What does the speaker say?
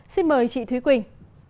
xin mời chị thúy quỳnh